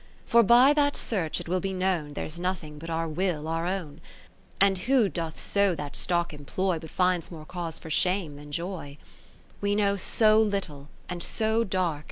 XIX For by that search it will be known There's nothingbutourWillourown : And who doth so that stock employ, But finds more cause for shame than joy? XX We know so little and so dark.